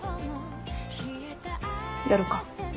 やるか。